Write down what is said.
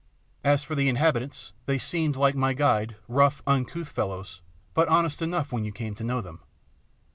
As for the inhabitants, they seemed, like my guide, rough, uncouth fellows, but honest enough when you came to know them.